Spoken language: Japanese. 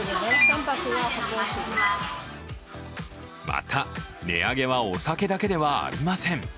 また、値上げはお酒だけではありません。